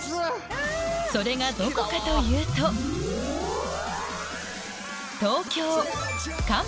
それがどこかというと東京